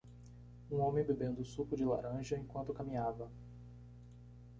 Um homem bebendo suco de laranja enquanto caminhava.